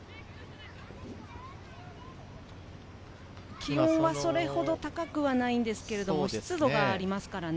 気温はそれほど高くないんですけれど湿度がありますからね。